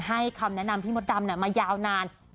คำแนะนำพี่มดดำมายาวนาน